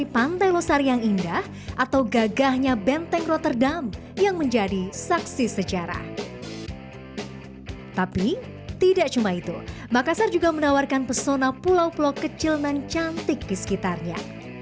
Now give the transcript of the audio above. pulau kecil mencantik di sekitarnya